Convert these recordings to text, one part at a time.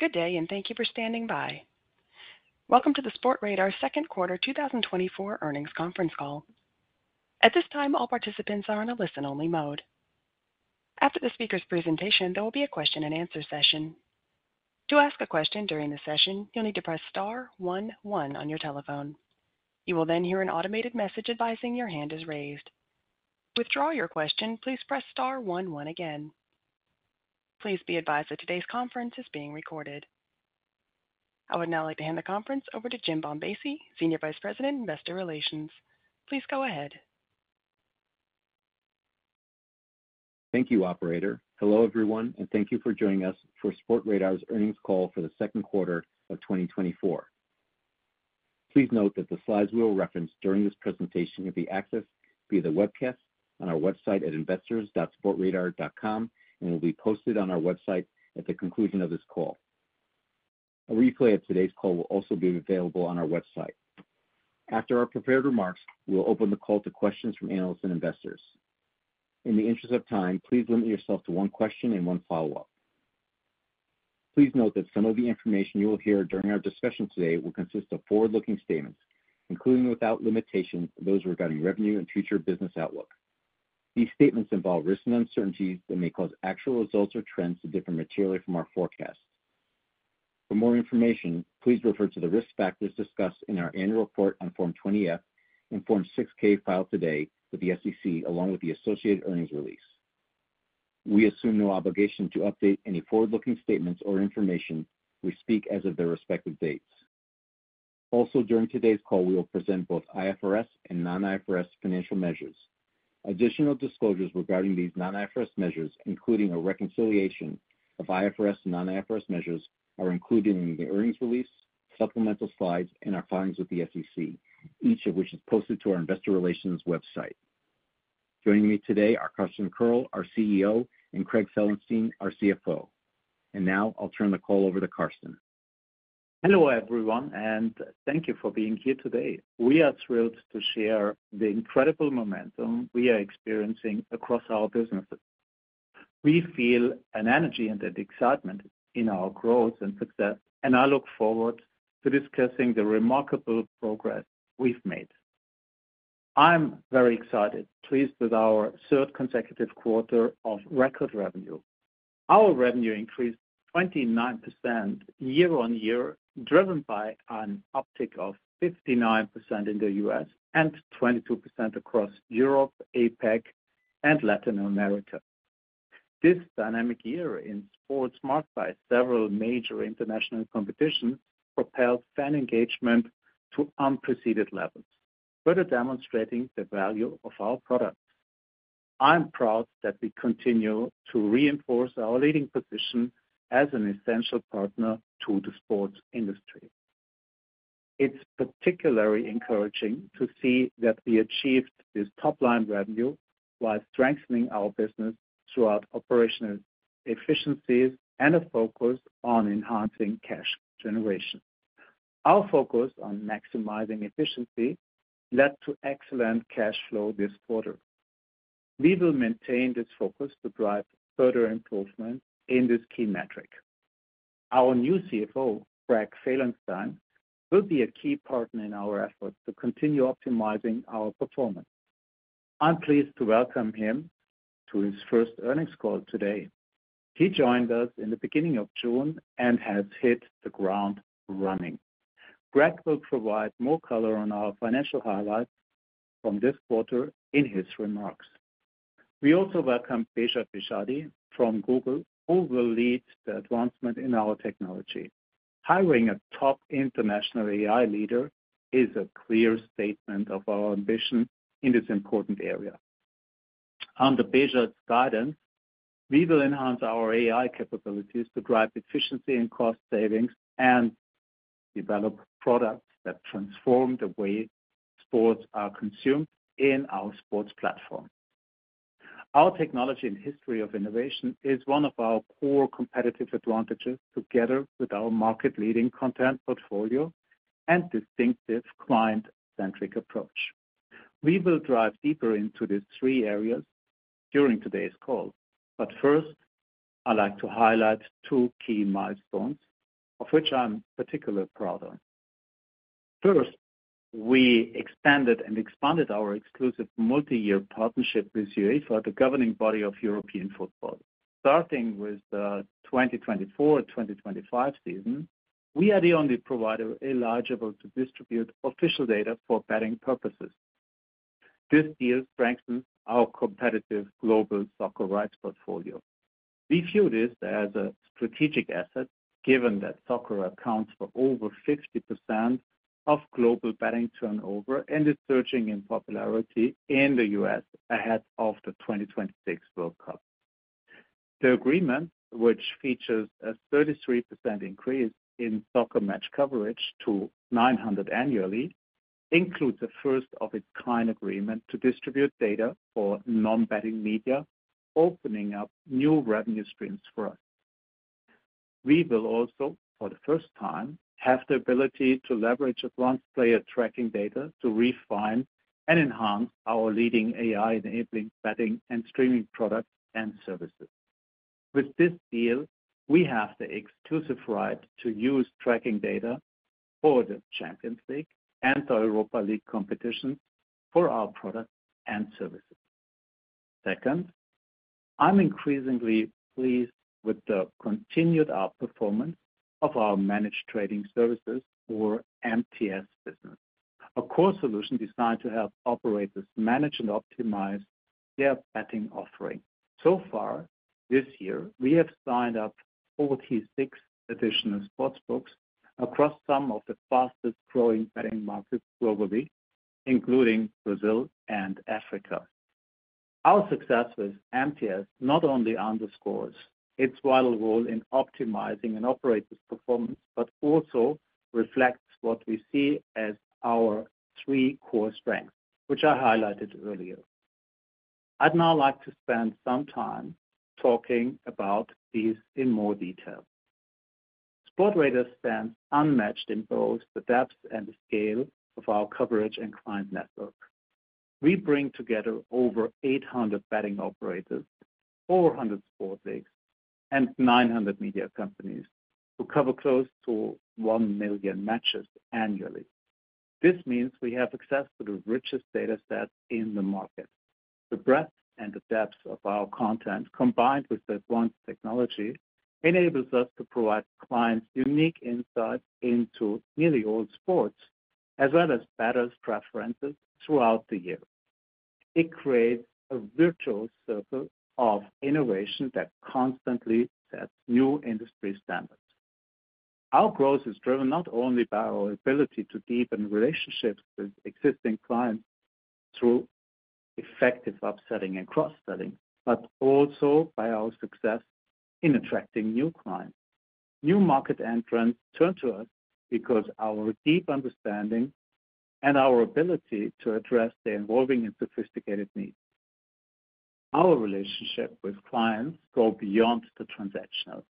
Good day, and thank you for standing by. Welcome to the Sportradar Second Quarter 2024 Earnings Conference Call. At this time, all participants are in a listen-only mode. After the speaker's presentation, there will be a question-and-answer session. To ask a question during the session, you'll need to press star one one on your telephone. You will then hear an automated message advising your hand is raised. To withdraw your question, please press star one one again. Please be advised that today's conference is being recorded. I would now like to hand the conference over to Jim Bombassei, Senior Vice President, Investor Relations. Please go ahead. Thank you, operator. Hello, everyone, and thank you for joining us for Sportradar's earnings call for the second quarter of 2024. Please note that the slides we will reference during this presentation will be accessed via the webcast on our website at investors.sportradar.com, and will be posted on our website at the conclusion of this call. A replay of today's call will also be available on our website. After our prepared remarks, we will open the call to questions from analysts and investors. In the interest of time, please limit yourself to one question and one follow-up. Please note that some of the information you will hear during our discussion today will consist of forward-looking statements, including without limitation, those regarding revenue and future business outlook. These statements involve risks and uncertainties that may cause actual results or trends to differ materially from our forecasts. For more information, please refer to the risk factors discussed in our annual report on Form 20-F and Form 6-K filed today with the SEC, along with the associated earnings release. We assume no obligation to update any forward-looking statements or information we speak as of their respective dates. Also, during today's call, we will present both IFRS and non-IFRS financial measures. Additional disclosures regarding these non-IFRS measures, including a reconciliation of IFRS and non-IFRS measures, are included in the earnings release, supplemental slides, and our filings with the SEC, each of which is posted to our investor relations website. Joining me today are Carsten Koerl, our CEO, and Craig Felenstein, our CFO. Now I'll turn the call over to Carsten. Hello, everyone, and thank you for being here today. We are thrilled to share the incredible momentum we are experiencing across our businesses. We feel an energy and an excitement in our growth and success, and I look forward to discussing the remarkable progress we've made. I'm very excited, pleased with our third consecutive quarter of record revenue. Our revenue increased 29% year-on-year, driven by an uptick of 59% in the U.S. and 22% across Europe, APAC, and Latin America. This dynamic year in sports marked by several major international competitions, propelled fan engagement to unprecedented levels, further demonstrating the value of our products. I'm proud that we continue to reinforce our leading position as an essential partner to the sports industry. It's particularly encouraging to see that we achieved this top-line revenue while strengthening our business throughout operational efficiencies and a focus on enhancing cash generation. Our focus on maximizing efficiency led to excellent cash flow this quarter. We will maintain this focus to drive further improvement in this key metric. Our new CFO, Craig Felenstein, will be a key partner in our efforts to continue optimizing our performance. I'm pleased to welcome him to his first earnings call today. He joined us in the beginning of June and has hit the ground running. Craig will provide more color on our financial highlights from this quarter in his remarks. We also welcome Behzad Behzadi from Google, who will lead the advancement in our technology. Hiring a top international AI leader is a clear statement of our ambition in this important area. Under Behzad's guidance, we will enhance our AI capabilities to drive efficiency and cost savings and develop products that transform the way sports are consumed in our sports platform. Our technology and history of innovation is one of our core competitive advantages, together with our market-leading content portfolio and distinctive client-centric approach. We will dive deeper into these three areas during today's call. But first, I'd like to highlight two key milestones, of which I'm particularly proud of. First, we expanded our exclusive multi-year partnership with UEFA, the governing body of European football. Starting with the 2024/2025 season, we are the only provider eligible to distribute official data for betting purposes. This deal strengthens our competitive global soccer rights portfolio. We view this as a strategic asset, given that soccer accounts for over 60% of global betting turnover and is surging in popularity in the U.S. ahead of the 2026 World Cup. The agreement, which features a 33% increase in soccer match coverage to 900 annually, includes a first-of-its-kind agreement to distribute data for non-betting media, opening up new revenue streams for us. We will also, for the first time, have the ability to leverage advanced player tracking data to refine and enhance our leading AI-enabling betting and streaming products and services. With this deal, we have the exclusive right to use tracking data for the Champions League and the Europa League competition for our products and services. Second, I'm increasingly pleased with the continued outperformance of our Managed Trading Services, or MTS, business, a core solution designed to help operators manage and optimize their betting offering. So far, this year, we have signed up 46 additional sportsbooks across some of the fastest-growing betting markets globally, including Brazil and Africa. Our success with MTS not only underscores its vital role in optimizing an operator's performance, but also reflects what we see as our three core strengths, which I highlighted earlier. I'd now like to spend some time talking about these in more detail. Sportradar stands unmatched in both the depth and the scale of our coverage and client network. We bring together over 800 betting operators, 400 sports leagues, and 900 media companies, who cover close to 1 million matches annually. This means we have access to the richest data set in the market. The breadth and the depth of our content, combined with advanced technology, enables us to provide clients unique insight into nearly all sports, as well as bettors' preferences throughout the year. It creates a virtuous circle of innovation that constantly sets new industry standards. Our growth is driven not only by our ability to deepen relationships with existing clients through effective upselling and cross-selling, but also by our success in attracting new clients. New market entrants turn to us because our deep understanding and our ability to address their evolving and sophisticated needs. Our relationship with clients go beyond the transactional.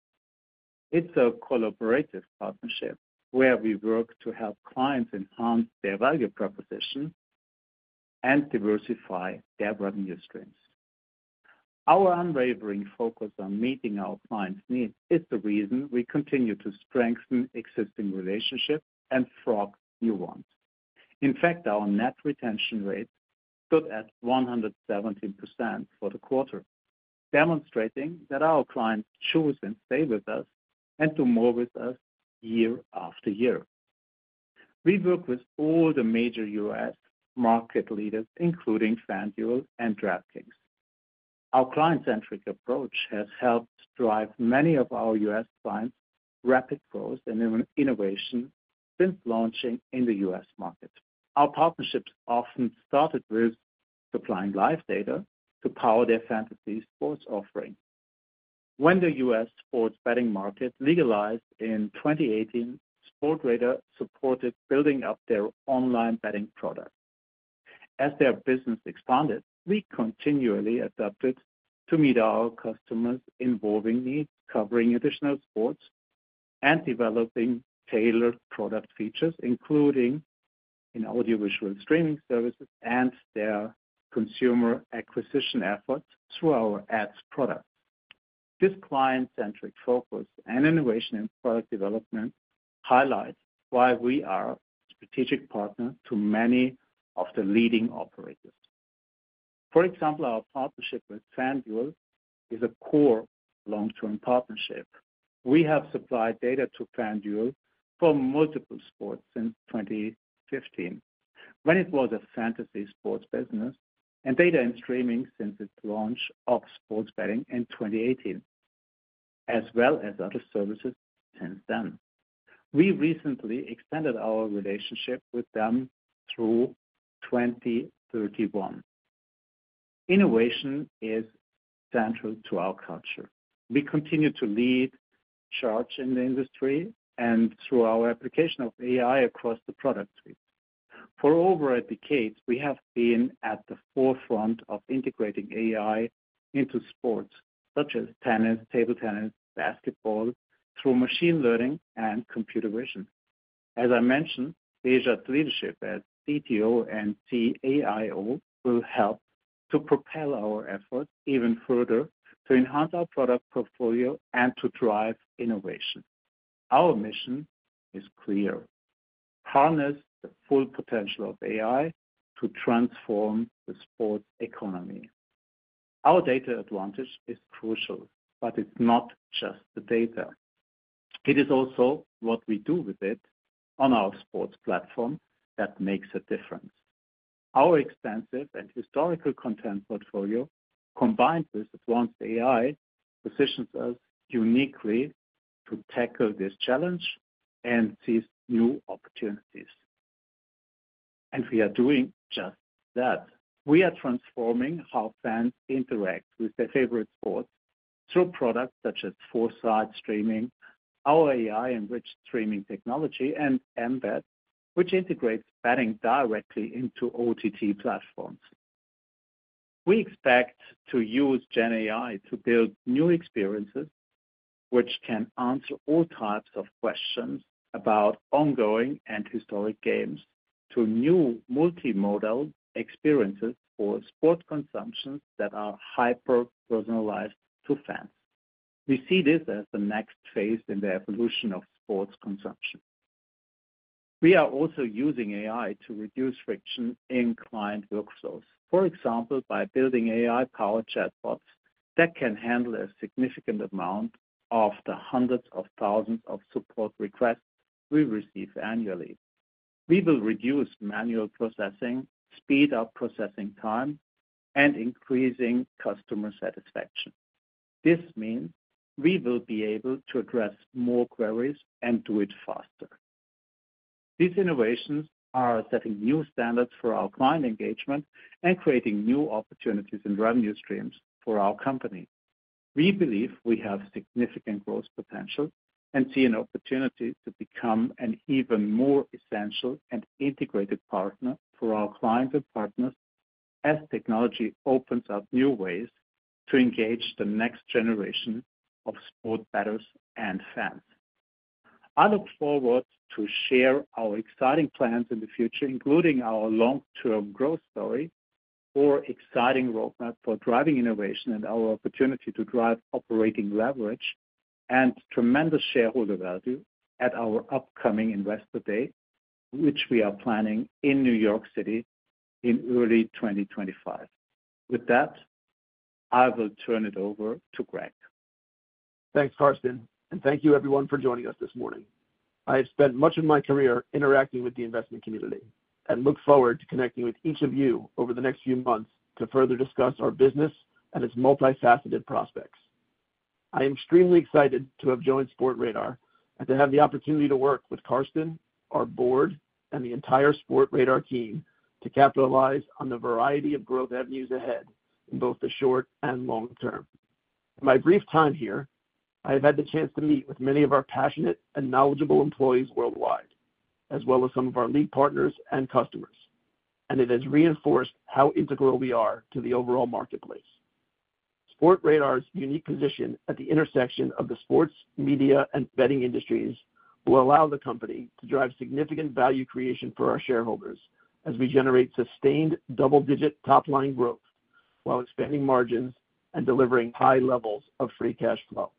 It's a collaborative partnership, where we work to help clients enhance their value proposition and diversify their revenue streams. Our unwavering focus on meeting our clients' needs is the reason we continue to strengthen existing relationships and forge new ones. In fact, our net retention rate stood at 117% for the quarter, demonstrating that our clients choose and stay with us, and do more with us year after year. We work with all the major U.S. market leaders, including FanDuel and DraftKings. Our client-centric approach has helped drive many of our U.S. clients' rapid growth and innovation since launching in the U.S. market. Our partnerships often started with supplying live data to power their fantasy sports offering. When the U.S. sports betting market legalized in 2018, Sportradar supported building up their online betting product. As their business expanded, we continually adapted to meet our customers' evolving needs, covering additional sports and developing tailored product features, including in audiovisual streaming services and their consumer acquisition efforts through our ads product. This client-centric focus and innovation in product development highlights why we are a strategic partner to many of the leading operators. For example, our partnership with FanDuel is a core long-term partnership. We have supplied data to FanDuel for multiple sports since 2015, when it was a fantasy sports business, and data and streaming since its launch of sports betting in 2018, as well as other services since then. We recently extended our relationship with them through 2031. Innovation is central to our culture. We continue to lead charge in the industry and through our application of AI across the product suite. For over a decade, we have been at the forefront of integrating AI into sports such as tennis, table tennis, basketball, through machine learning and computer vision. As I mentioned, Behzad's leadership as CTO and CAIO will help to propel our efforts even further to enhance our product portfolio and to drive innovation. Our mission is clear: Harness the full potential of AI to transform the sports economy. Our data advantage is crucial, but it's not just the data. It is also what we do with it on our sports platform that makes a difference. Our extensive and historical content portfolio, combined with advanced AI, positions us uniquely to tackle this challenge and seize new opportunities, and we are doing just that. We are transforming how fans interact with their favorite sports through products such as 4Sight Streaming, our AI-enriched streaming technology, and emBET, which integrates betting directly into OTT platforms... We expect to use Gen AI to build new experiences which can answer all types of questions about ongoing and historic games, to new multimodal experiences for sport consumptions that are hyper-personalized to fans. We see this as the next phase in the evolution of sports consumption. We are also using AI to reduce friction in client workflows, for example, by building AI-powered chatbots that can handle a significant amount of the hundreds of thousands of support requests we receive annually. We will reduce manual processing, speed up processing time, and increasing customer satisfaction. This means we will be able to address more queries and do it faster. These innovations are setting new standards for our client engagement and creating new opportunities and revenue streams for our company. We believe we have significant growth potential and see an opportunity to become an even more essential and integrated partner for our clients and partners as technology opens up new ways to engage the next generation of sports bettors and fans. I look forward to share our exciting plans in the future, including our long-term growth story or exciting roadmap for driving innovation and our opportunity to drive operating leverage and tremendous shareholder value at our upcoming Investor Day, which we are planning in New York City in early 2025. With that, I will turn it over to Craig. Thanks, Carsten, and thank you everyone for joining us this morning. I have spent much of my career interacting with the investment community and look forward to connecting with each of you over the next few months to further discuss our business and its multifaceted prospects. I am extremely excited to have joined Sportradar and to have the opportunity to work with Carsten, our board, and the entire Sportradar team to capitalize on the variety of growth avenues ahead in both the short and long term. In my brief time here, I have had the chance to meet with many of our passionate and knowledgeable employees worldwide, as well as some of our lead partners and customers, and it has reinforced how integral we are to the overall marketplace. Sportradar's unique position at the intersection of the sports, media, and betting industries will allow the company to drive significant value creation for our shareholders as we generate sustained double-digit top-line growth while expanding margins and delivering high levels of free cash flow.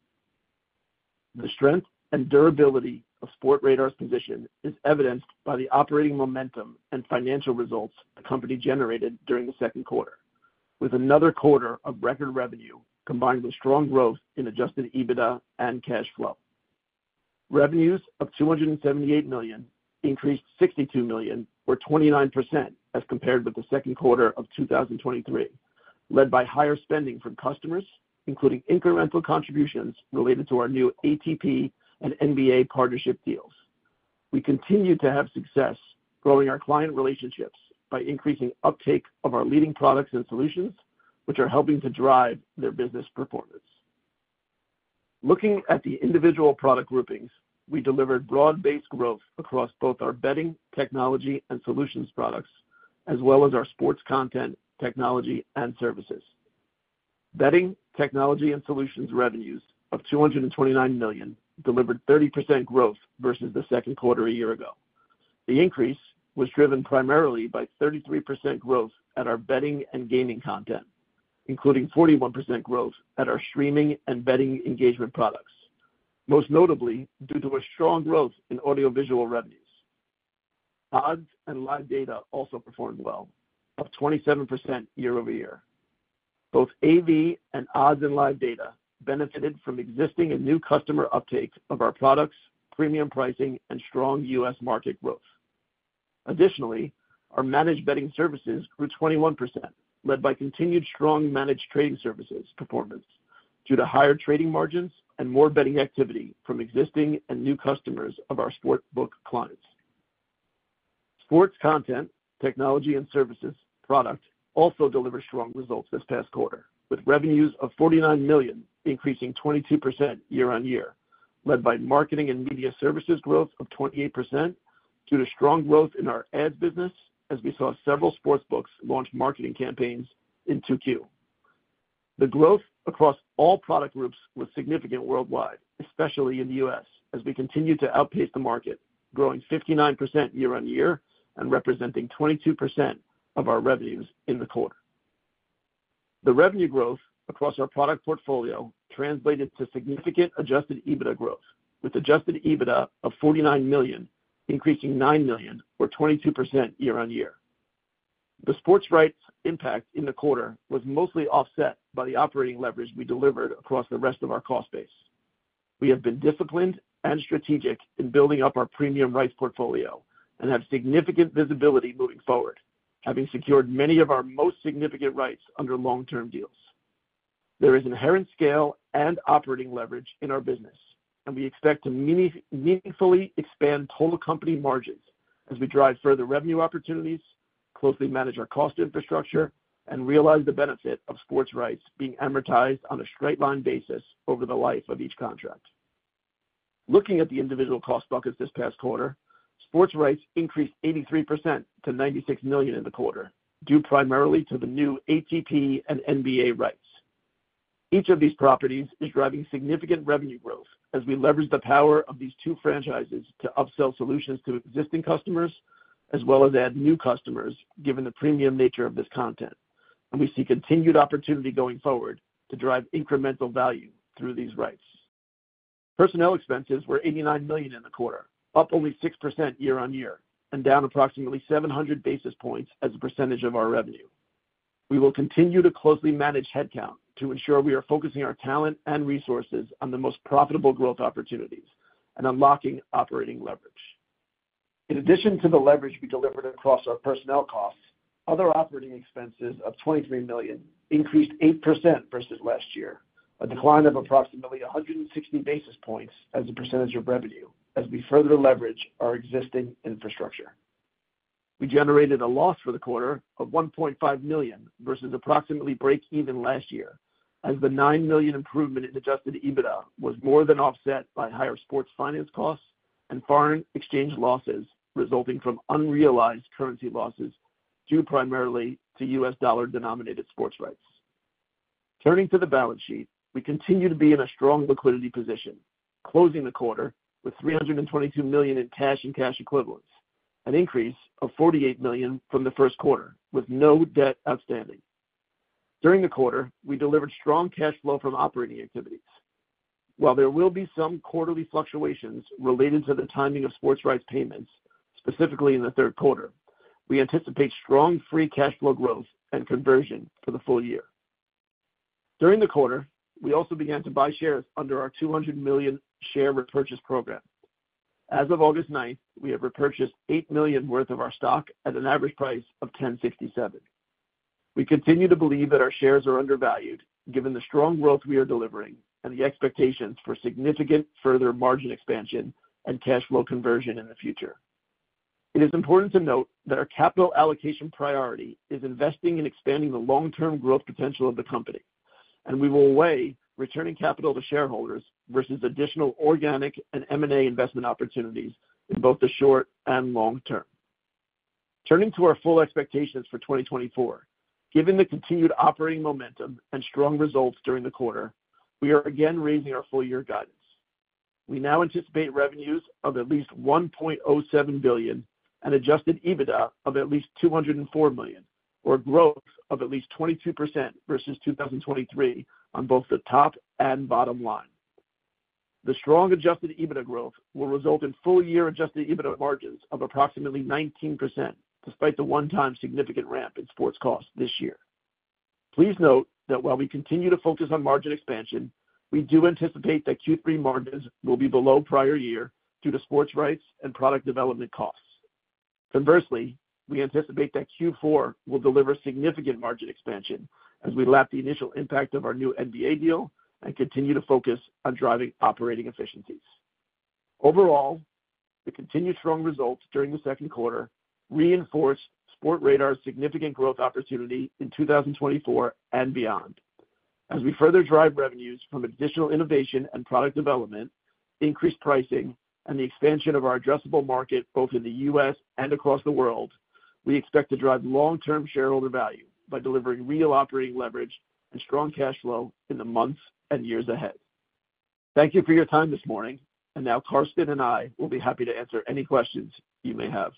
The strength and durability of Sportradar's position is evidenced by the operating momentum and financial results the company generated during the second quarter, with another quarter of record revenue, combined with strong growth in Adjusted EBITDA and cash flow. Revenues of 278 million increased 62 million, or 29%, as compared with the second quarter of 2023, led by higher spending from customers, including incremental contributions related to our new ATP and NBA partnership deals. We continue to have success growing our client relationships by increasing uptake of our leading products and solutions, which are helping to drive their business performance. Looking at the individual product groupings, we delivered broad-based growth across both our betting, technology, and solutions products, as well as our sports content, technology, and services. Betting, technology, and solutions revenues of 229 million delivered 30% growth versus the second quarter a year ago. The increase was driven primarily by 33% growth at our betting and gaming content, including 41% growth at our streaming and betting engagement products, most notably due to a strong growth in audiovisual revenues. Odds and live data also performed well, up 27% year-over-year. Both AV and odds and live data benefited from existing and new customer uptake of our products, premium pricing, and strong U.S. market growth. Additionally, our managed betting services grew 21%, led by continued strong managed trading services performance due to higher trading margins and more betting activity from existing and new customers of our sportsbook clients. Sports content, technology, and services product also delivered strong results this past quarter, with revenues of 49 million, increasing 22% year-on-year, led by marketing and media services growth of 28% due to strong growth in our ad business, as we saw several sportsbooks launch marketing campaigns in 2Q. The growth across all product groups was significant worldwide, especially in the U.S., as we continue to outpace the market, growing 59% year-on-year and representing 22% of our revenues in the quarter. The revenue growth across our product portfolio translated to significant Adjusted EBITDA growth, with Adjusted EBITDA of 49 million, increasing 9 million, or 22% year-on-year. The sports rights impact in the quarter was mostly offset by the operating leverage we delivered across the rest of our cost base. We have been disciplined and strategic in building up our premium rights portfolio and have significant visibility moving forward, having secured many of our most significant rights under long-term deals. There is inherent scale and operating leverage in our business, and we expect to meaningfully expand total company margins as we drive further revenue opportunities, closely manage our cost infrastructure, and realize the benefit of sports rights being amortized on a straight line basis over the life of each contract.... Looking at the individual cost buckets this past quarter, sports rights increased 83% to 96 million in the quarter, due primarily to the new ATP and NBA rights. Each of these properties is driving significant revenue growth as we leverage the power of these two franchises to upsell solutions to existing customers, as well as add new customers, given the premium nature of this content, and we see continued opportunity going forward to drive incremental value through these rights. Personnel expenses were 89 million in the quarter, up only 6% year-on-year, and down approximately 700 basis points as a percentage of our revenue. We will continue to closely manage headcount to ensure we are focusing our talent and resources on the most profitable growth opportunities and unlocking operating leverage. In addition to the leverage we delivered across our personnel costs, other operating expenses of 23 million increased 8% versus last year, a decline of approximately 160 basis points as a percentage of revenue, as we further leverage our existing infrastructure. We generated a loss for the quarter of 1.5 million, versus approximately breakeven last year, as the 9 million improvement in Adjusted EBITDA was more than offset by higher sports finance costs and foreign exchange losses resulting from unrealized currency losses, due primarily to U.S. dollar-denominated sports rights. Turning to the balance sheet, we continue to be in a strong liquidity position, closing the quarter with 322 million in cash and cash equivalents, an increase of 48 million from the first quarter, with no debt outstanding. During the quarter, we delivered strong cash flow from operating activities. While there will be some quarterly fluctuations related to the timing of sports rights payments, specifically in the third quarter, we anticipate strong free cash flow growth and conversion for the full year. During the quarter, we also began to buy shares under our $200 million share repurchase program. As of August 9, we have repurchased $8 million worth of our stock at an average price of $10.67. We continue to believe that our shares are undervalued, given the strong growth we are delivering and the expectations for significant further margin expansion and cash flow conversion in the future. It is important to note that our capital allocation priority is investing in expanding the long-term growth potential of the company, and we will weigh returning capital to shareholders versus additional organic and M&A investment opportunities in both the short and long term. Turning to our full expectations for 2024. Given the continued operating momentum and strong results during the quarter, we are again raising our full year guidance. We now anticipate revenues of at least 1.07 billion and adjusted EBITDA of at least 204 million, or growth of at least 22% versus 2023 on both the top and bottom line. The strong adjusted EBITDA growth will result in full year adjusted EBITDA margins of approximately 19%, despite the one-time significant ramp in sports costs this year. Please note that while we continue to focus on margin expansion, we do anticipate that Q3 margins will be below prior year due to sports rights and product development costs. Conversely, we anticipate that Q4 will deliver significant margin expansion as we lap the initial impact of our new NBA deal and continue to focus on driving operating efficiencies. Overall, the continued strong results during the second quarter reinforce Sportradar's significant growth opportunity in 2024 and beyond. As we further drive revenues from additional innovation and product development, increased pricing, and the expansion of our addressable market, both in the U.S. and across the world, we expect to drive long-term shareholder value by delivering real operating leverage and strong cash flow in the months and years ahead. Thank you for your time this morning, and now Carsten and I will be happy to answer any questions you may have.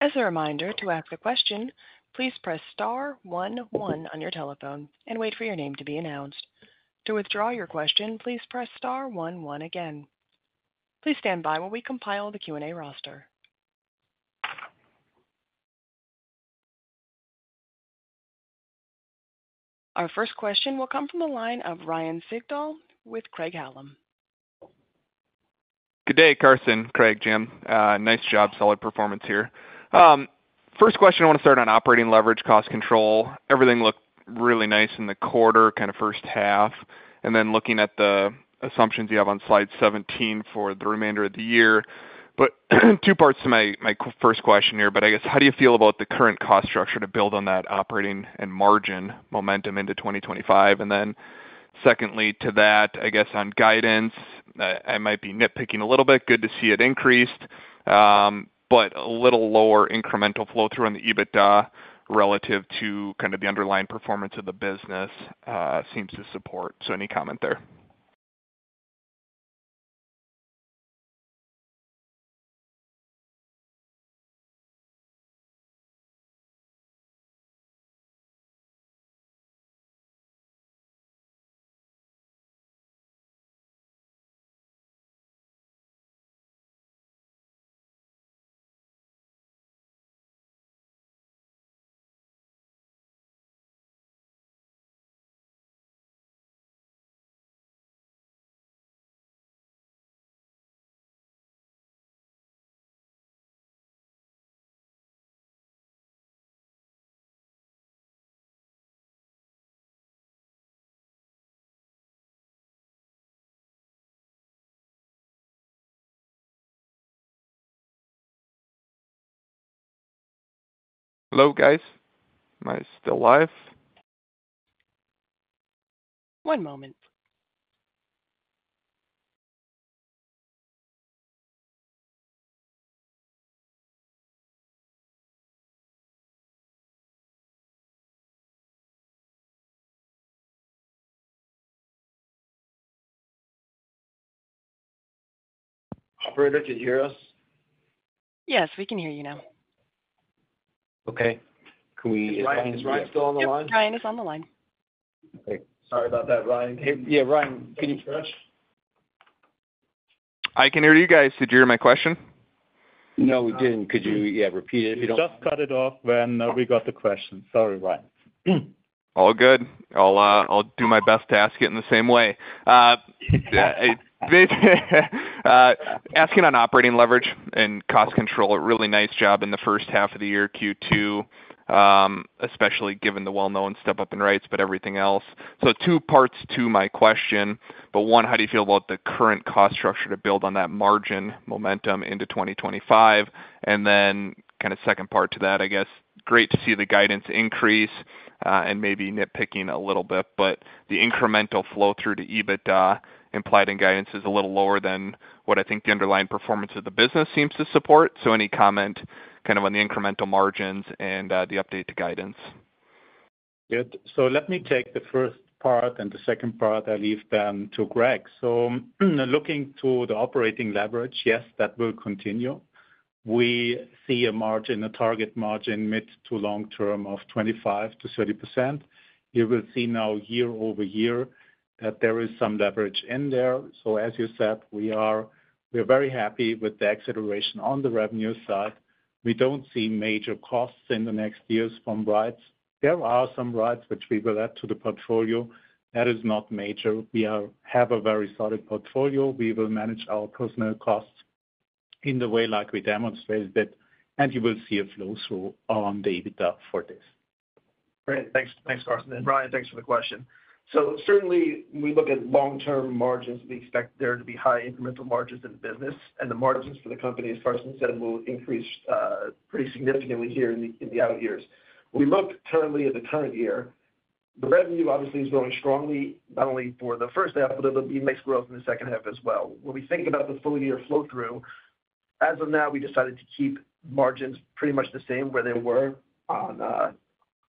As a reminder, to ask a question, please press star one one on your telephone and wait for your name to be announced. To withdraw your question, please press star one one again. Please stand by while we compile the Q&A roster. Our first question will come from the line of Ryan Sigdahl with Craig-Hallum. Good day, Carsten, Craig, Jim. Nice job. Solid performance here. First question, I want to start on operating leverage, cost control. Everything looked really nice in the quarter, kind of first half, and then looking at the assumptions you have on slide 17 for the remainder of the year. But two parts to my, my first question here, but I guess, how do you feel about the current cost structure to build on that operating and margin momentum into 2025? And then secondly, to that, I guess on guidance, I might be nitpicking a little bit. Good to see it increased, but a little lower incremental flow through on the EBITDA relative to kind of the underlying performance of the business, seems to support. So any comment there?... Hello, guys. Am I still live? One moment. Operator, can you hear us? Yes, we can hear you now. Okay. Can we- Is Ryan, is Ryan still on the line? Yep, Ryan is on the line. Okay. Sorry about that, Ryan. Hey, yeah, Ryan, can you hear us? I can hear you guys. Did you hear my question? No, we didn't. Could you, yeah, repeat it, if you don't- You just cut it off when we got the question. Sorry, Ryan. All good. I'll do my best to ask it in the same way. Asking on operating leverage and cost control, a really nice job in the first half of the year, Q2, especially given the well-known step-up in rights, but everything else. So two parts to my question, but one, how do you feel about the current cost structure to build on that margin momentum into 2025? And then kind of second part to that, I guess, great to see the guidance increase, and maybe nitpicking a little bit, but the incremental flow through to EBITDA implied in guidance is a little lower than what I think the underlying performance of the business seems to support. So any comment kind of on the incremental margins and the update to guidance? Good. So let me take the first part, and the second part, I leave them to Craig. So looking to the operating leverage, yes, that will continue. We see a margin, a target margin, mid- to long-term of 25%-30%. You will see now year-over-year that there is some leverage in there. So as you said, we're very happy with the acceleration on the revenue side. We don't see major costs in the next years from rights. There are some rights which we will add to the portfolio. That is not major. We have a very solid portfolio. We will manage our personnel costs in the way like we demonstrated, and you will see a flow-through on the EBITDA for this. Great. Thanks, thanks, Carsten, and Ryan, thanks for the question. So certainly, when we look at long-term margins, we expect there to be high incremental margins in the business, and the margins for the company, as Carsten said, will increase pretty significantly here in the, in the out years. We look currently at the current year, the revenue obviously is growing strongly, not only for the first half, but there'll be mixed growth in the second half as well. When we think about the full year flow-through, as of now, we decided to keep margins pretty much the same where they were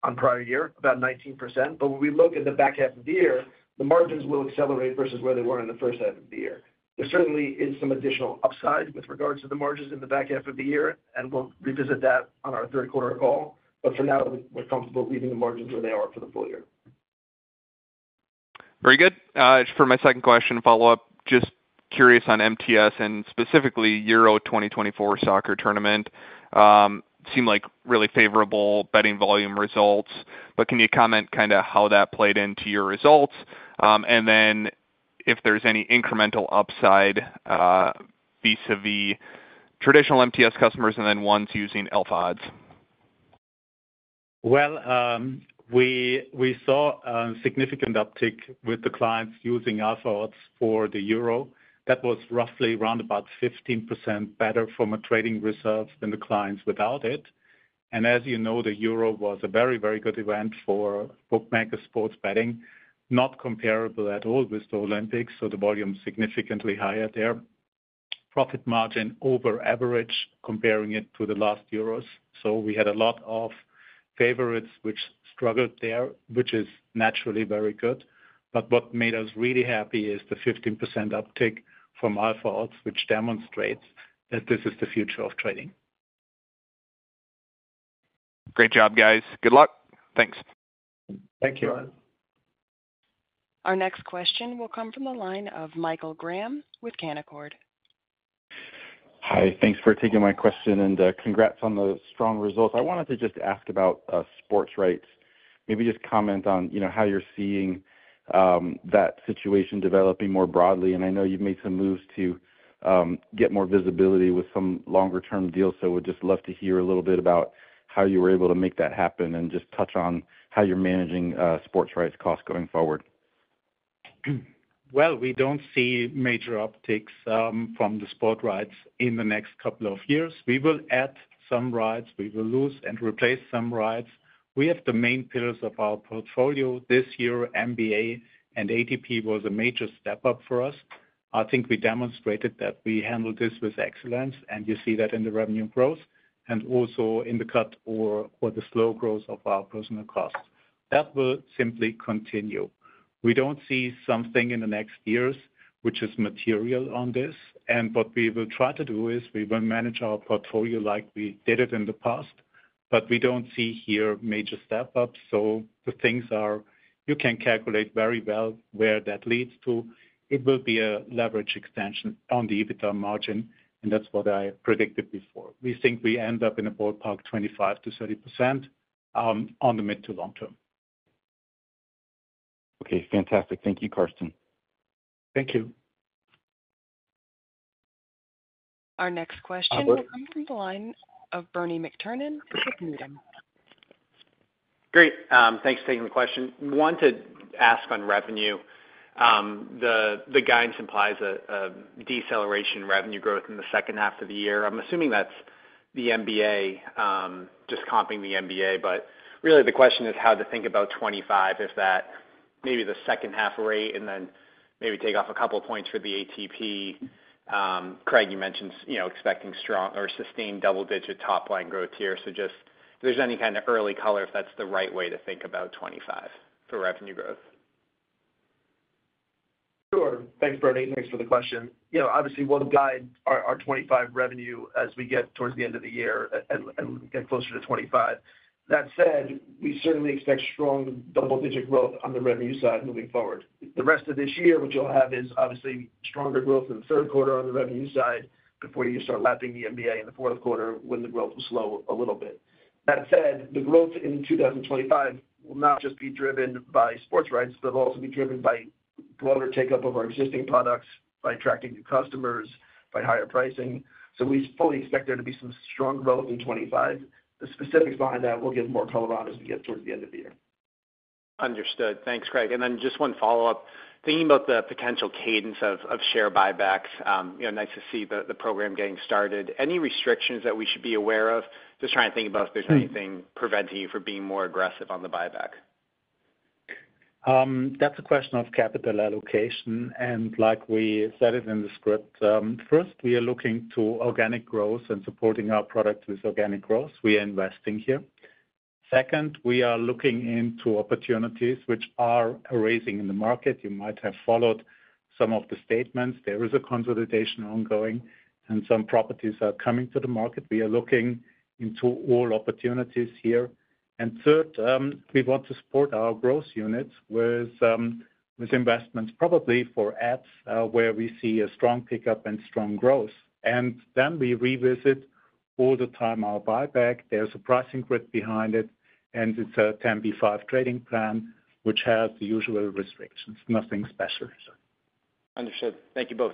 on prior year, about 19%. But when we look at the back half of the year, the margins will accelerate versus where they were in the first half of the year. There certainly is some additional upside with regards to the margins in the back half of the year, and we'll revisit that on our third quarter call. But for now, we're comfortable leaving the margins where they are for the full year. Very good. For my second question, follow-up, just curious on MTS and specifically Euro 2024 soccer tournament, seemed like really favorable betting volume results. But can you comment kind of how that played into your results? And then if there's any incremental upside, vis-a-vis traditional MTS customers, and then ones using Alpha Odds? Well, we saw a significant uptick with the clients using Alpha Odds for the Euro. That was roughly around about 15% better from a trading reserve than the clients without it. And as you know, the Euro was a very, very good event for bookmaker sports betting, not comparable at all with the Olympics, so the volume is significantly higher there. Profit margin over average, comparing it to the last Euros. So we had a lot of favorites which struggled there, which is naturally very good. But what made us really happy is the 15% uptick from our tools, which demonstrates that this is the future of trading. Great job, guys. Good luck. Thanks. Thank you, Ryan. Our next question will come from the line of Michael Graham with Canaccord. Hi, thanks for taking my question, and congrats on the strong results. I wanted to just ask about sports rights. Maybe just comment on, you know, how you're seeing that situation developing more broadly. And I know you've made some moves to get more visibility with some longer-term deals, so would just love to hear a little bit about how you were able to make that happen, and just touch on how you're managing sports rights costs going forward. Well, we don't see major upticks from the sports rights in the next couple of years. We will add some rights, we will lose and replace some rights. We have the main pillars of our portfolio this year, NBA and ATP was a major step up for us. I think we demonstrated that we handled this with excellence, and you see that in the revenue growth and also in the cut or the slow growth of our personnel costs. That will simply continue. We don't see something in the next years which is material on this, and what we will try to do is we will manage our portfolio like we did it in the past, but we don't see here major step-ups, so the things are... You can calculate very well where that leads to. It will be a leverage extension on the EBITDA margin, and that's what I predicted before. We think we end up in a ballpark 25%-30% on the mid to long term. Okay, fantastic. Thank you, Carsten. Thank you. Our next question will come from the line of Bernie McTernan with Needham.... Great. Thanks for taking the question. Wanted to ask on revenue, the guidance implies a deceleration in revenue growth in the second half of the year. I'm assuming that's the NBA, just comping the NBA. But really, the question is how to think about 25, if that maybe the second half rate, and then maybe take off a couple of points for the ATP. Craig, you mentioned, you know, expecting strong or sustained double-digit top line growth here. So just if there's any kind of early color, if that's the right way to think about 25 for revenue growth? Sure. Thanks, Bernie. Thanks for the question. You know, obviously, we'll guide our 2025 revenue as we get towards the end of the year and get closer to 2025. That said, we certainly expect strong double-digit growth on the revenue side moving forward. The rest of this year, what you'll have is obviously stronger growth in the third quarter on the revenue side before you start lapping the NBA in the fourth quarter, when the growth will slow a little bit. That said, the growth in 2025 will not just be driven by sports rights, but it'll also be driven by broader take-up of our existing products, by attracting new customers, by higher pricing. So we fully expect there to be some strong growth in 2025. The specifics behind that, we'll give more color on as we get towards the end of the year. Understood. Thanks, Craig. And then just one follow-up. Thinking about the potential cadence of share buybacks, you know, nice to see the program getting started. Any restrictions that we should be aware of? Just trying to think about if there's anything preventing you from being more aggressive on the buyback. That's a question of capital allocation, and like we said it in the script, first, we are looking to organic growth and supporting our product with organic growth. We are investing here. Second, we are looking into opportunities which are arising in the market. You might have followed some of the statements. There is a consolidation ongoing, and some properties are coming to the market. We are looking into all opportunities here. And third, we want to support our growth units with, with investments, probably for ads, where we see a strong pickup and strong growth. And then we revisit all the time our buyback. There's a pricing grid behind it, and it's a 10b5 trading plan, which has the usual restrictions. Nothing special. Understood. Thank you both.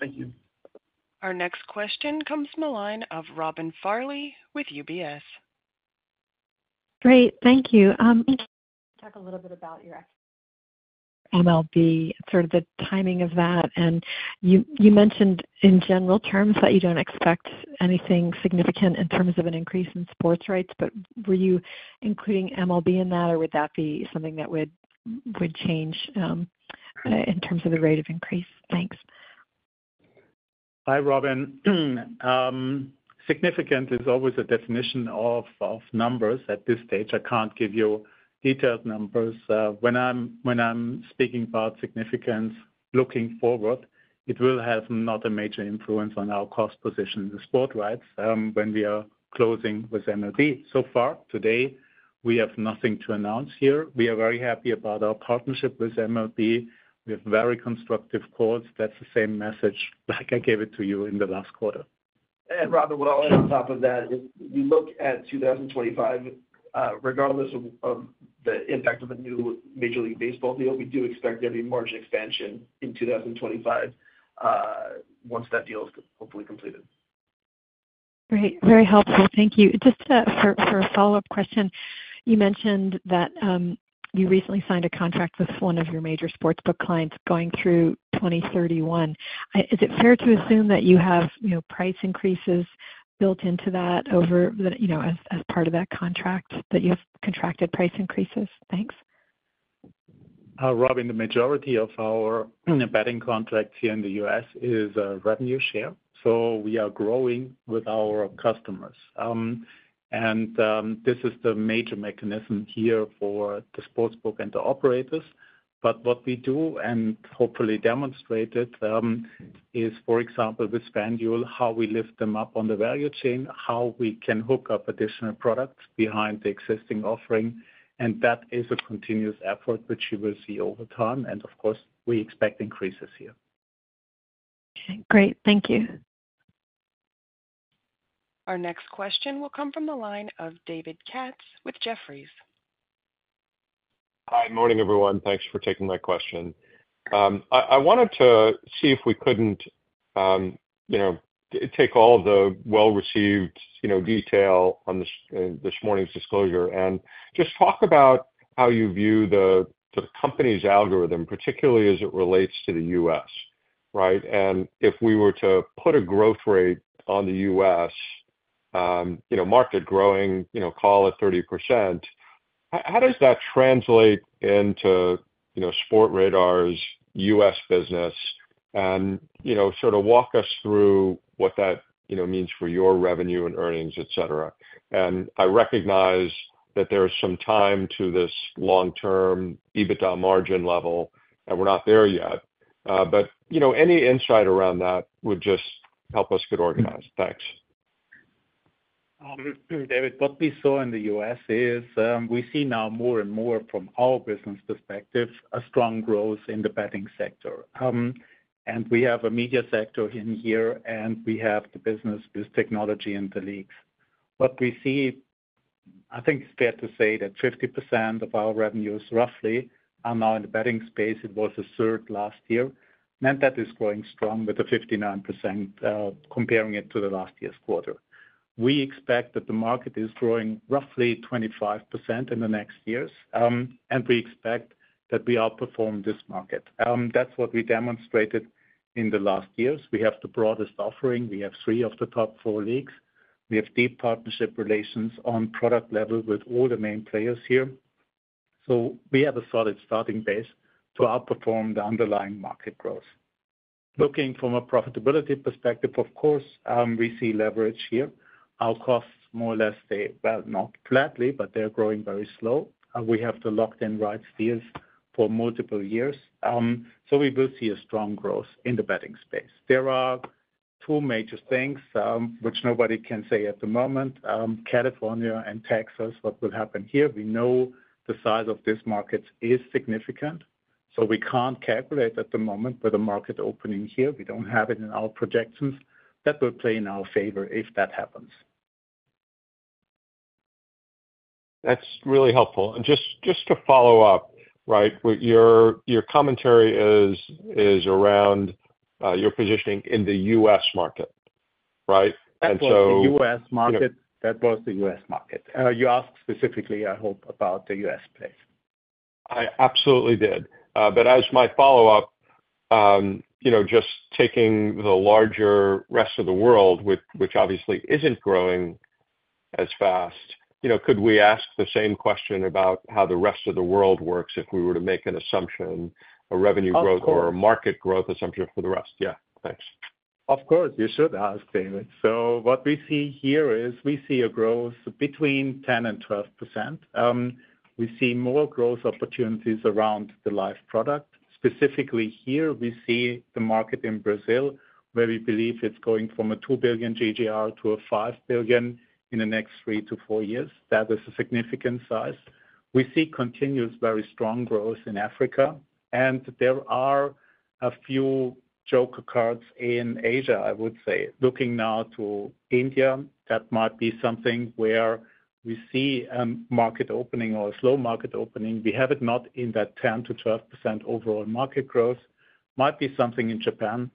Thank you. Our next question comes from the line of Robin Farley with UBS. Great, thank you. Talk a little bit about your MLB, sort of the timing of that. And you mentioned in general terms that you don't expect anything significant in terms of an increase in sports rights, but were you including MLB in that, or would that be something that would change in terms of the rate of increase? Thanks. Hi, Robin. Significant is always a definition of numbers. At this stage, I can't give you detailed numbers. When I'm speaking about significance looking forward, it will have not a major influence on our cost position in the sport rights when we are closing with MLB. So far today, we have nothing to announce here. We are very happy about our partnership with MLB. We have very constructive calls. That's the same message like I gave it to you in the last quarter. And Robin, well, on top of that, if you look at 2025, regardless of the impact of a new Major League Baseball deal, we do expect there to be margin expansion in 2025, once that deal is hopefully completed. Great. Very helpful. Thank you. Just for a follow-up question, you mentioned that you recently signed a contract with one of your major sports book clients going through 2031. Is it fair to assume that you have, you know, price increases built into that over the, you know, as part of that contract, that you have contracted price increases? Thanks. Robin, the majority of our betting contracts here in the U.S. is revenue share, so we are growing with our customers. This is the major mechanism here for the sports book and the operators. But what we do and hopefully demonstrate it is, for example, with FanDuel, how we lift them up on the value chain, how we can hook up additional products behind the existing offering, and that is a continuous effort which you will see over time. And of course, we expect increases here. Okay, great. Thank you. Our next question will come from the line of David Katz with Jefferies. Hi, morning, everyone. Thanks for taking my question. I wanted to see if we couldn't, you know, take all the well-received, you know, detail on this, this morning's disclosure, and just talk about how you view the, the company's algorithm, particularly as it relates to the U.S., right? And if we were to put a growth rate on the U.S., you know, market growing, you know, call it 30%, how does that translate into, you know, Sportradar's U.S. business? And, you know, sort of walk us through what that, you know, means for your revenue and earnings, et cetera. And I recognize that there is some time to this long-term EBITDA margin level, and we're not there yet, but, you know, any insight around that would just help us get organized. Thanks. David, what we saw in the U.S. is, we see now more and more from our business perspective, a strong growth in the betting sector. And we have a media sector in here, and we have the business with technology and the leagues. What we see, I think it's fair to say that 50% of our revenues, roughly, are now in the betting space. It was a third last year, and that is growing strong with the 59%, comparing it to the last year's quarter. We expect that the market is growing roughly 25% in the next years, and we expect that we outperform this market. That's what we demonstrated in the last years. We have the broadest offering. We have three of the top four leagues. We have deep partnership relations on product level with all the main players here. So we have a solid starting base to outperform the underlying market growth. Looking from a profitability perspective, of course, we see leverage here. Our costs, more or less, stay, well, not flatly, but they're growing very slow, and we have to lock in right deals for multiple years. So we will see a strong growth in the betting space. There are two major things, which nobody can say at the moment, California and Texas, what will happen here? We know the size of this market is significant, so we can't calculate at the moment, but the market opening here, we don't have it in our projections. That will play in our favor if that happens. That's really helpful. And just to follow up, right, with your commentary is around your positioning in the U.S. market, right? And so- That was the U.S. market. That was the U.S. market. You asked specifically, I hope, about the U.S. space. I absolutely did. But as my follow-up, you know, just taking the larger rest of the world, which obviously isn't growing as fast, you know, could we ask the same question about how the rest of the world works if we were to make an assumption, a revenue growth- Of course. or a market growth assumption for the rest? Yeah. Thanks. Of course, you should ask, David. So what we see here is we see a growth between 10%-12%. We see more growth opportunities around the live product. Specifically here, we see the market in Brazil, where we believe it's going from a $2 billion GGR to $5 billion in the next three to four years. That is a significant size. We see continuous, very strong growth in Africa, and there are a few joker cards in Asia, I would say. Looking now to India, that might be something where we see, market opening or a slow market opening. We have it not in that 10%-12% overall market growth. Might be something in Japan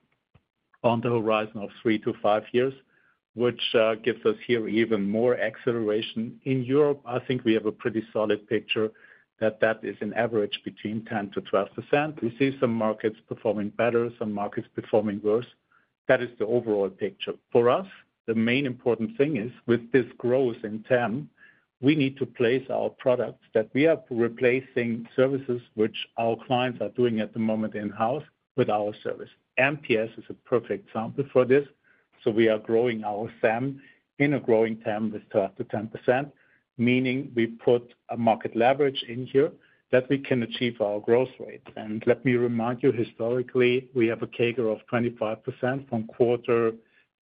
on the horizon of three to five years, which, gives us here even more acceleration. In Europe, I think we have a pretty solid picture that is an average between 10%-12%. We see some markets performing better, some markets performing worse. That is the overall picture. For us, the main important thing is, with this growth in TAM, we need to place our products that we are replacing services which our clients are doing at the moment in-house with our service. MTS is a perfect example for this. So we are growing our SAM in a growing TAM with 12%-10%, meaning we put a market leverage in here that we can achieve our growth rate. Let me remind you, historically, we have a CAGR of 25% from Q2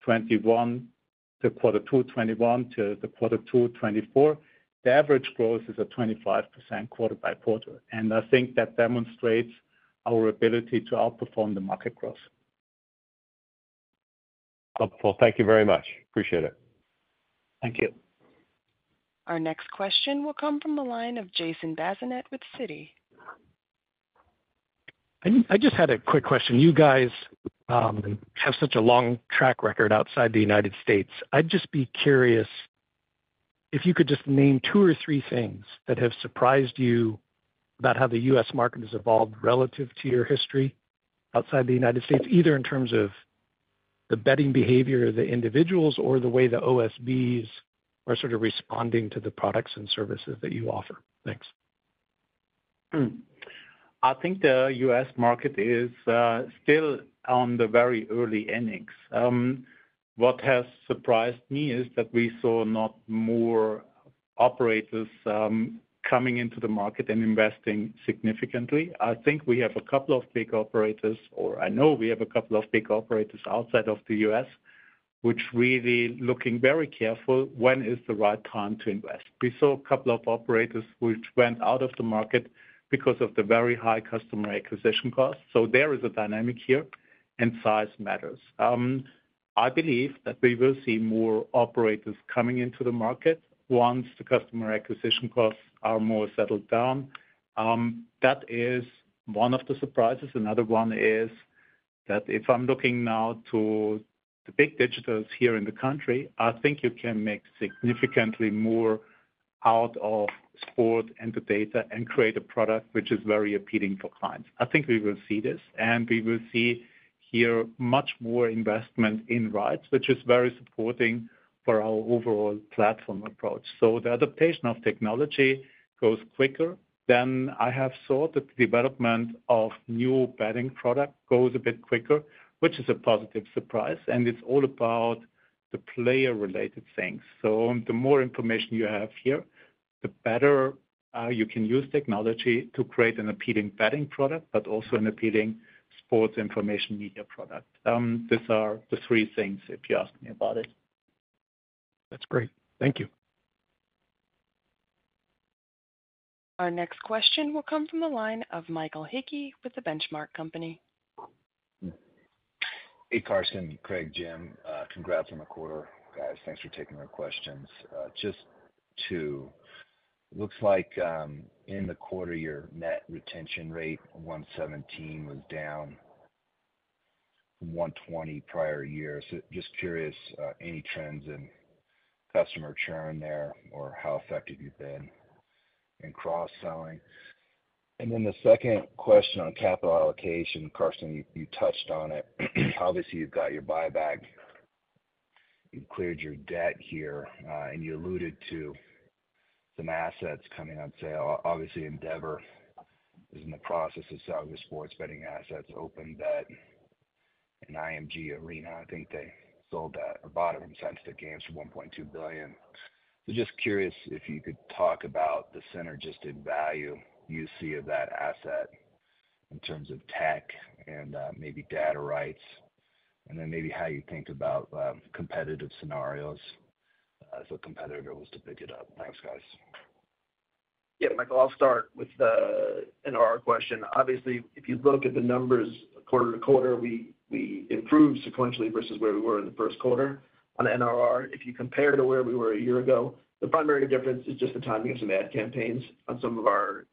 2021 to Q2 2024. The average growth is a 25% quarter-over-quarter, and I think that demonstrates our ability to outperform the market growth. Well, thank you very much. Appreciate it. Thank you. Our next question will come from the line of Jason Bazinet with Citi. I just had a quick question. You guys have such a long track record outside the United States. I'd just be curious if you could just name two or three things that have surprised you about how the U.S. market has evolved relative to your history outside the United States, either in terms of the betting behavior of the individuals or the way the OSBs are sort of responding to the products and services that you offer. Thanks. I think the U.S. market is still on the very early innings. What has surprised me is that we saw not more operators coming into the market and investing significantly. I think we have a couple of big operators, or I know we have a couple of big operators outside of the U.S., which really looking very careful when is the right time to invest. We saw a couple of operators which went out of the market because of the very high customer acquisition costs. So there is a dynamic here, and size matters. I believe that we will see more operators coming into the market once the customer acquisition costs are more settled down. That is one of the surprises. Another one is that if I'm looking now to the big digitals here in the country, I think you can make significantly more out of sport and the data and create a product which is very appealing for clients. I think we will see this, and we will see here much more investment in rights, which is very supporting for our overall platform approach. So the adaptation of technology goes quicker than I have thought. The development of new betting product goes a bit quicker, which is a positive surprise, and it's all about the player-related things. So the more information you have here, the better you can use technology to create an appealing betting product, but also an appealing sports information media product. These are the three things, if you ask me about it. That's great. Thank you.... Our next question will come from the line of Michael Hickey with The Benchmark Company. Hey, Carsten, Craig, Jim, congrats on the quarter, guys. Thanks for taking our questions. Just two. Looks like in the quarter, your net retention rate, 117%, was down from 120% prior year. So just curious, any trends in customer churn there or how effective you've been in cross-selling? And then the second question on capital allocation, Carsten, you touched on it. Obviously, you've got your buyback, you've cleared your debt here, and you alluded to some assets coming on sale. Obviously, Endeavor is in the process of selling the sports betting assets, OpenBet and IMG Arena. I think they sold that or bought them, since the gains were $1.2 billion. So just curious if you could talk about the synergistic value you see of that asset in terms of tech and maybe data rights, and then maybe how you think about competitive scenarios as a competitor was to pick it up? Thanks, guys. Yeah, Michael, I'll start with the NRR question. Obviously, if you look at the numbers quarter-over-quarter, we improved sequentially versus where we were in the first quarter on NRR. If you compare to where we were a year ago, the primary difference is just the timing of some ad campaigns on some of our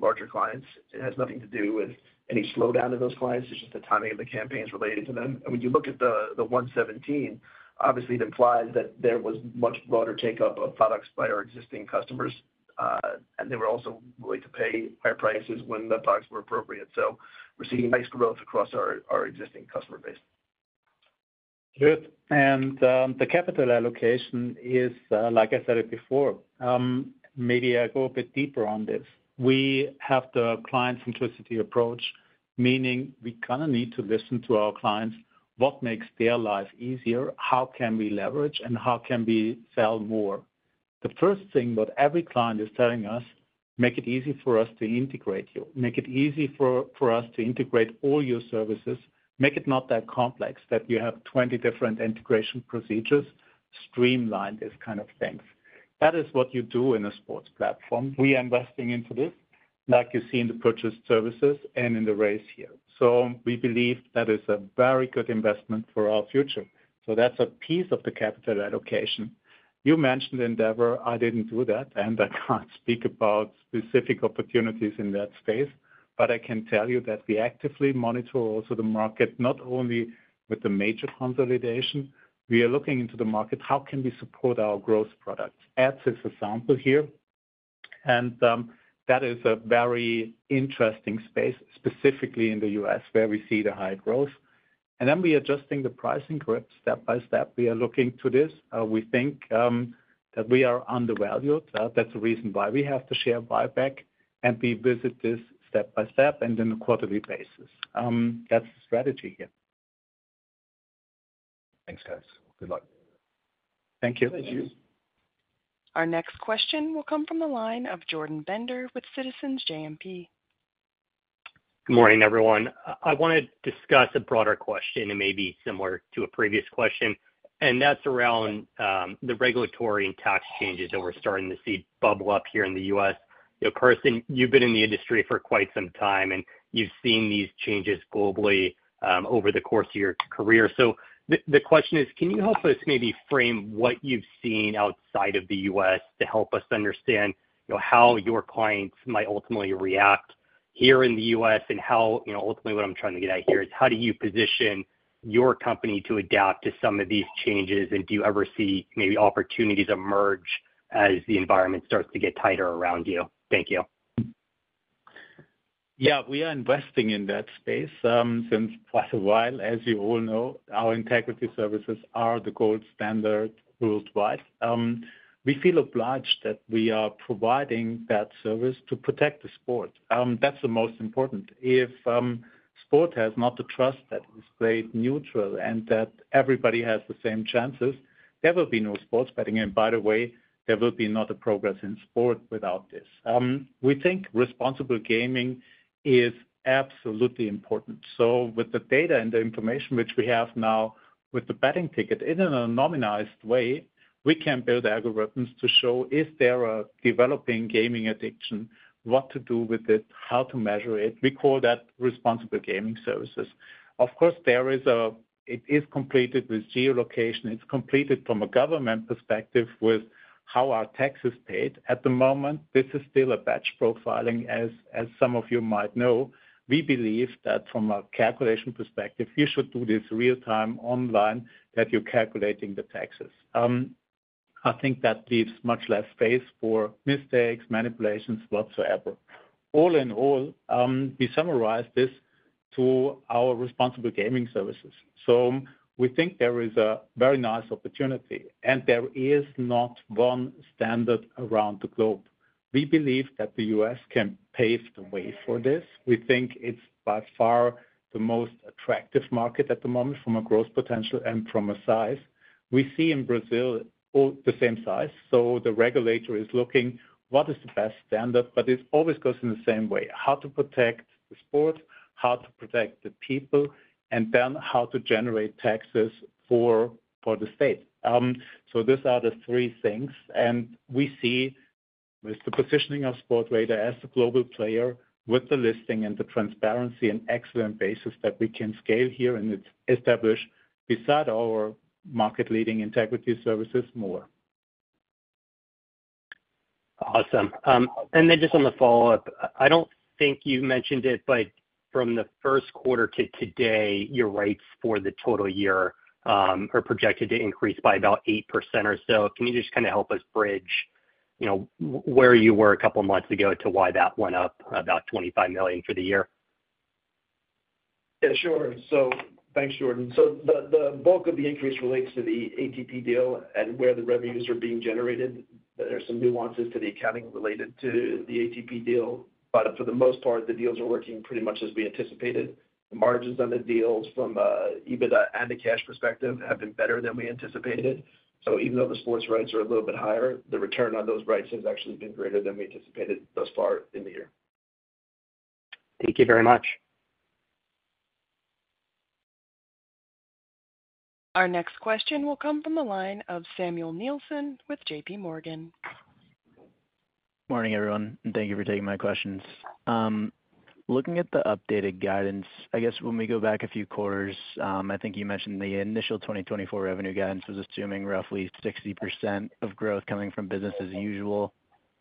larger clients. It has nothing to do with any slowdown of those clients; it's just the timing of the campaigns relating to them. And when you look at the 117, obviously, it implies that there was much broader take-up of products by our existing customers, and they were also willing to pay higher prices when the products were appropriate. So we're seeing nice growth across our existing customer base. Good. The capital allocation is, like I said it before, maybe I go a bit deeper on this. We have the client centricity approach, meaning we kind of need to listen to our clients, what makes their life easier, how can we leverage, and how can we sell more? The first thing that every client is telling us, "Make it easy for us to integrate you. Make it easy for us to integrate all your services. Make it not that complex that you have 20 different integration procedures. Streamline this kind of things." That is what you do in a sports platform. We are investing into this, like you see in the purchase services and in the race here. So we believe that is a very good investment for our future. So that's a piece of the capital allocation. You mentioned Endeavor. I didn't do that, and I can't speak about specific opportunities in that space, but I can tell you that we actively monitor also the market, not only with the major consolidation. We are looking into the market, how can we support our growth products? Ads is example here, and, that is a very interesting space, specifically in the U.S., where we see the high growth. And then we are adjusting the pricing grid step by step. We are looking to this. We think, that we are undervalued. So that's the reason why we have the share buyback, and we visit this step by step and in a quarterly basis. That's the strategy here. Thanks, guys. Good luck. Thank you. Thank you. Our next question will come from the line of Jordan Bender with Citizens JMP. Good morning, everyone. I wanna discuss a broader question, and maybe similar to a previous question, and that's around the regulatory and tax changes that we're starting to see bubble up here in the U.S. You know, Carsten, you've been in the industry for quite some time, and you've seen these changes globally over the course of your career. So the question is, can you help us maybe frame what you've seen outside of the U.S. to help us understand, you know, how your clients might ultimately react here in the U.S. and how... You know, ultimately, what I'm trying to get at here is, how do you position your company to adapt to some of these changes? And do you ever see maybe opportunities emerge as the environment starts to get tighter around you? Thank you. Yeah, we are investing in that space since quite a while. As you all know, our Integrity Services are the gold standard worldwide. We feel obliged that we are providing that service to protect the sport. That's the most important. If sport has not the trust that it's played neutral and that everybody has the same chances, there will be no sports betting. And by the way, there will be not a progress in sport without this. We think responsible gaming is absolutely important. So with the data and the information which we have now, with the betting ticket, in an anonymized way, we can build algorithms to show if there are developing gaming addiction, what to do with it, how to measure it. We call that responsible gaming services. Of course, there is, it is completed with geolocation. It's completed from a government perspective with how our tax is paid. At the moment, this is still a batch profiling, as some of you might know. We believe that from a calculation perspective, you should do this real time online, that you're calculating the taxes. I think that leaves much less space for mistakes, manipulations, whatsoever. All in all, we summarize this to our responsible gaming services. So we think there is a very nice opportunity, and there is not one standard around the globe. We believe that the U.S. can pave the way for this. We think it's by far the most attractive market at the moment from a growth potential and from a size. We see in Brazil, all the same size, so the regulator is looking what is the best standard, but it always goes in the same way, how to protect?... sport, how to protect the people, and then how to generate taxes for the state. So these are the three things, and we see with the positioning of Sportradar as the global player, with the listing and the transparency and excellent basis that we can scale here, and it's established beside our market-leading Integrity Services more. Awesome. And then just on the follow-up, I don't think you mentioned it, but from the first quarter to today, your rates for the total year are projected to increase by about 8% or so. Can you just kinda help us bridge, you know, where you were a couple of months ago to why that went up about 25 million for the year? Yeah, sure. So thanks, Jordan. So the bulk of the increase relates to the ATP deal and where the revenues are being generated. There are some nuances to the accounting related to the ATP deal, but for the most part, the deals are working pretty much as we anticipated. The margins on the deals from EBITDA and the cash perspective have been better than we anticipated. So even though the sports rights are a little bit higher, the return on those rights has actually been greater than we anticipated thus far in the year. Thank you very much. Our next question will come from the line of Samuel Nielsen with JPMorgan. Morning, everyone, and thank you for taking my questions. Looking at the updated guidance, I guess when we go back a few quarters, I think you mentioned the initial 2024 revenue guidance was assuming roughly 60% of growth coming from business as usual,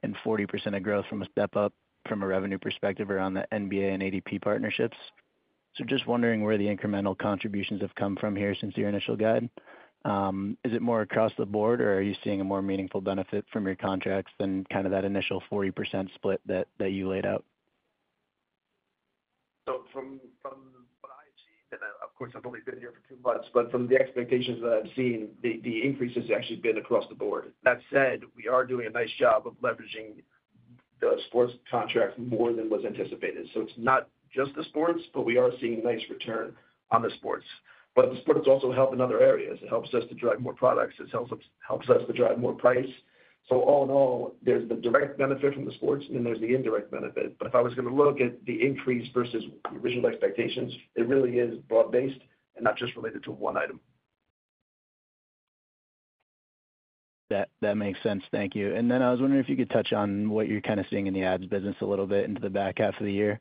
and 40% of growth from a step-up from a revenue perspective around the NBA and ADP partnerships. So just wondering where the incremental contributions have come from here since your initial guide. Is it more across the board, or are you seeing a more meaningful benefit from your contracts than kind of that initial 40% split that you laid out? So from what I've seen, and of course, I've only been here for two months, but from the expectations that I've seen, the increase has actually been across the board. That said, we are doing a nice job of leveraging the sports contracts more than was anticipated. So it's not just the sports, but we are seeing nice return on the sports. But the sports also help in other areas. It helps us to drive more products. It helps us to drive more price. So all in all, there's the direct benefit from the sports, and then there's the indirect benefit. But if I was gonna look at the increase versus the original expectations, it really is broad-based and not just related to one item. That makes sense. Thank you. And then I was wondering if you could touch on what you're kind of seeing in the ads business a little bit into the back half of the year.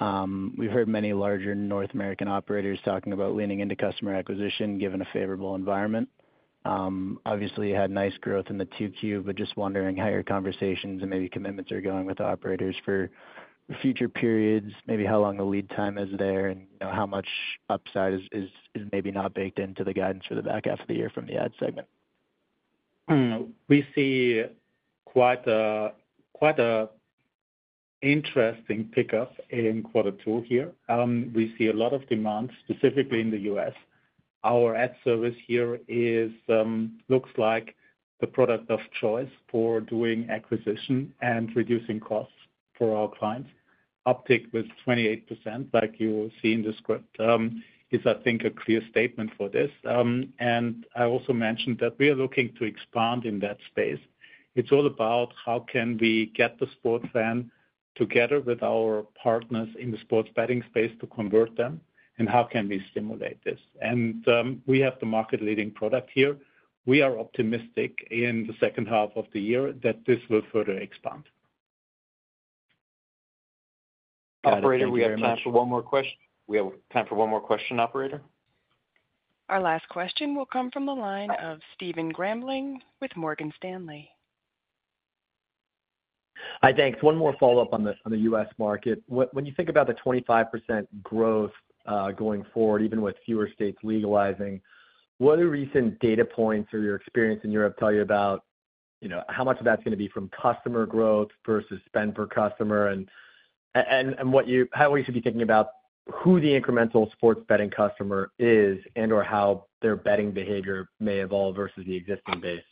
We've heard many larger North American operators talking about leaning into customer acquisition, given a favorable environment. Obviously, you had nice growth in the 2Q, but just wondering how your conversations and maybe commitments are going with the operators for future periods, maybe how long the lead time is there, and, you know, how much upside is maybe not baked into the guidance for the back half of the year from the ad segment. We see quite a, quite a interesting pickup in quarter two here. We see a lot of demand, specifically in the U.S. Our ad service here is, looks like the product of choice for doing acquisition and reducing costs for our clients. Uptick with 28%, like you see in the script, is I think, a clear statement for this. And I also mentioned that we are looking to expand in that space. It's all about how can we get the sports fan together with our partners in the sports betting space to convert them, and how can we stimulate this? And, we have the market-leading product here. We are optimistic in the second half of the year that this will further expand. Got it. Thank you very much. Operator, do we have time for one more question? We have time for one more question, operator? Our last question will come from the line of Stephen Grambling with Morgan Stanley. Hi, thanks. One more follow-up on the U.S. market. When you think about the 25% growth going forward, even with fewer states legalizing, what are recent data points or your experience in Europe tell you about, you know, how much of that's gonna be from customer growth versus spend per customer, and what you—how we should be thinking about who the incremental sports betting customer is, and/or how their betting behavior may evolve versus the existing base?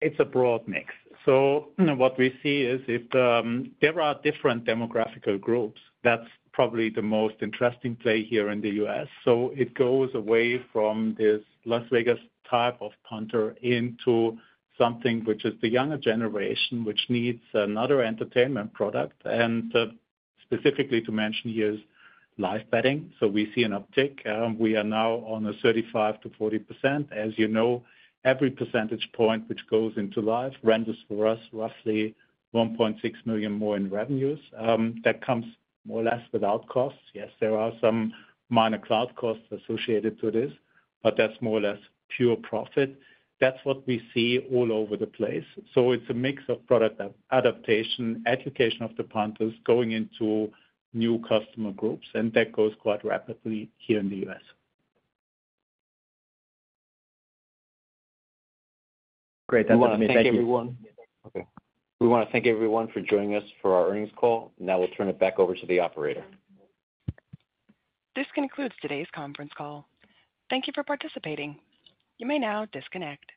It's a broad mix. So, what we see is if there are different demographic groups, that's probably the most interesting play here in the U.S. So it goes away from this Las Vegas type of punter into something which is the younger generation, which needs another entertainment product, and specifically to mention here, is live betting. So we see an uptick. We are now on a 35%-40%. As you know, every percentage point which goes into live, renders for us roughly 1.6 million more in revenues. That comes more or less without costs. Yes, there are some minor cloud costs associated to this, but that's more or less pure profit. That's what we see all over the place. It's a mix of product adaptation, education of the punters going into new customer groups, and that grows quite rapidly here in the U.S. Great. That's all. Thank you. We want to thank everyone for joining us for our earnings call. Now we'll turn it back over to the operator. This concludes today's conference call. Thank you for participating. You may now disconnect.